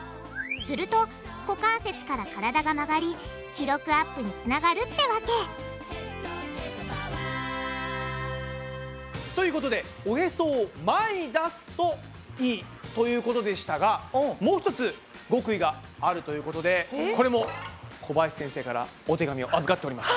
すると股関節から体が曲がり記録アップにつながるってわけということでおヘソを前に出すといいということでしたがもう一つ極意があるということでこれも小林先生からお手紙を預かっております。